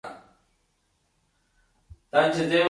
هغه فقر چي په ټولنه کي دی، عوامل لري.